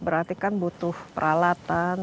berarti kan butuh peralatan